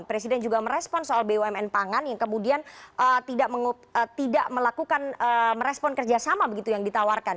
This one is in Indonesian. presiden juga merespon soal bumn pangan yang kemudian tidak melakukan merespon kerjasama begitu yang ditawarkan